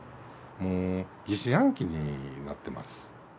もう疑心暗鬼になってます。